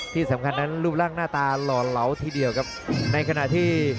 ที่สำคัญนั้นรูปร่างหน้าตาหล่อเหลาทีเดียวครับในขณะที่